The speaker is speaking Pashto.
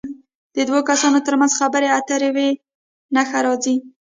د دوو کسو تر منځ خبرې اترې وي نښه راځي.